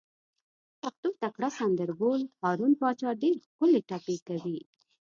د پښتو تکړه سندر بول، هارون پاچا ډېرې ښکلې ټپې کوي.